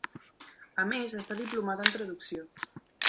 A més està diplomada en traducció.